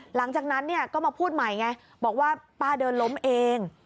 หลังจากนั้นเนี่ยก็มาพูดใหม่ไงบอกว่าป้าเดินล้มเอง